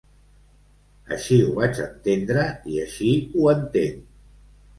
Així ho vaig entendre i així ho entenc.